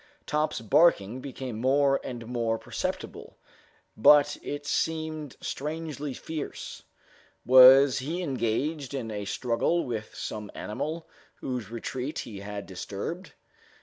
Top's barking became more and more perceptible, and it seemed strangely fierce. Was he engaged in a struggle with some animal whose retreat he had disturbed?